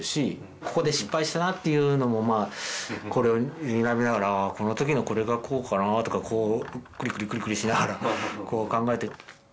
ここで失敗したなっていうのもこれをにらみながらあっこのときのこれがこうかなとかこうクリクリクリクリしながらこう考えて。